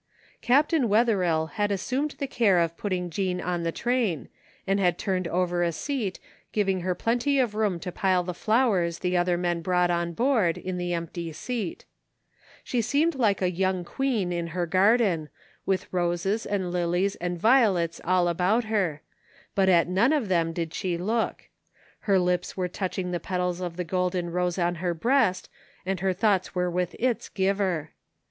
Captain Wetherill had assumed the care of putting Jean on the train, and had turned over a seat, giving her plenty of room to pile the flowers the other men brought on board, in the empty seat She seemed like a yoimg queen in her garden, with roses and lilies and violets all about her; but at none of them did she look. Her lips were touching the petals of the golden rose on her breast and her thoughts were with its giver.